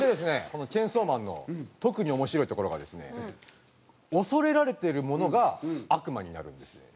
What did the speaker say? この『チェンソーマン』の特に面白いところがですね恐れられてるものが悪魔になるんですね。